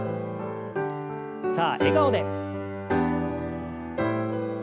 さあ笑顔で。